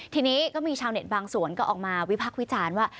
ทีนี้ก็มีชาวเน็ตบางส่วนก็ออกมาวิพักษ์วิจารณ์ว่า